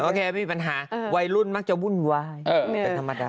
โอเคไม่มีปัญหาวัยรุ่นมักจะวุ่นวาย